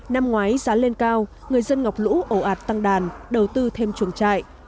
năm ngoái giá lên cao người dân ngọc lũ ổ ạt tăng đàn đầu tư thêm chuồng trại